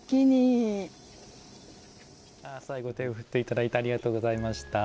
最後手を振っていただいてありがとうございました。